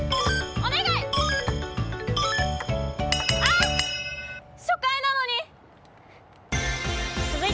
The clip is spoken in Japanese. お願い。